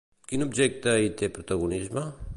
Quin objecte hi té protagonisme?